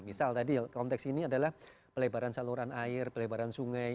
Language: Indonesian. misal tadi konteks ini adalah pelebaran saluran air pelebaran sungai